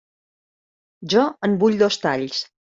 Jo en vull dos talls.